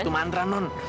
itu mantra non